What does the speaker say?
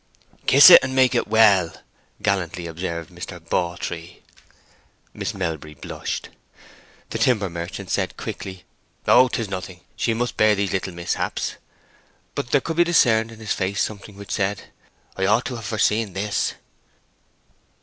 "Kiss it and make it well," gallantly observed Mr. Bawtree. Miss Melbury blushed. The timber merchant said, quickly, "Oh, it is nothing! She must bear these little mishaps." But there could be discerned in his face something which said "I ought to have foreseen this."